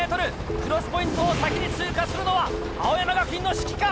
クロスポイントを先に通過するのは青山学院の志貴か？